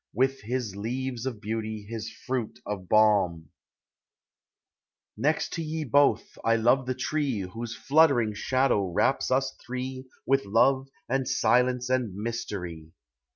With his leaves of beauty, his fruit of balm ; Next to ye both, 1 love the tree Whose fluttering shadow wraps us three With love and silence and mystery